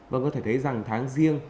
và có thể thấy rằng tháng riêng